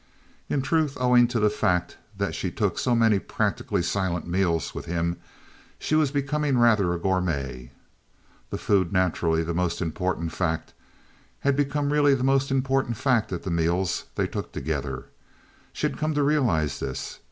In truth, owing to the fact that she took so many practically silent meals with him, she was becoming rather a gourmet. The food, naturally the most important fact, had become really the most important fact at the meals they took together. She had come to realize this.